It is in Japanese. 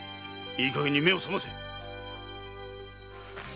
いいかげんに目を覚ませ！